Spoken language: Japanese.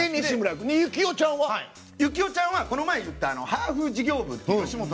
行雄ちゃんは、この前言ったハーフ事業部って。